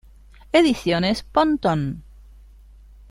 Ediciones Pontón..